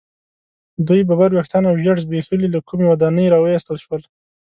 دوی ببر ویښتان او ژیړ زبیښلي له کومې ودانۍ را ویستل شول.